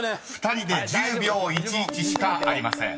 ［２人で１０秒１１しかありません］